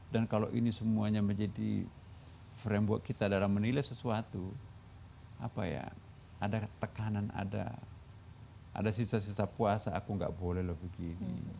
dan kalau ini semuanya menjadi framework kita dalam menilai sesuatu apa ya ada tekanan ada sisa sisa puasa aku gak boleh loh begini